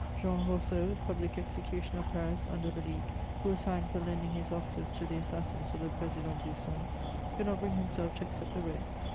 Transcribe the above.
Jean Roseau, public executioner of Paris under the League, who was hanged for lending his offices to the assassins of the Président Brisson, could not bring himself to accept the rope.